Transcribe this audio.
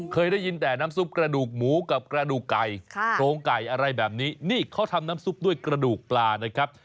เคยได้ยินแต่น้ำซุปกระดูกหมูกับกระดูกไก่โครงไก่อะไรแบบนี้นี่เขาทำน้ำซุปด้วยกระดูกปลานะครับ